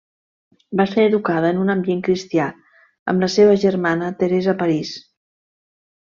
Va ser educada en un ambient cristià amb la seva germana Teresa París.